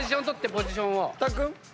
ポジションを。